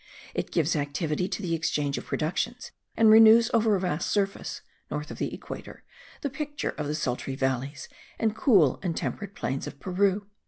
It gives activity to the exchange of productions, and renews over a vast surface, north of the equator, the picture of the sultry valleys and cool and temperate plains of Peru.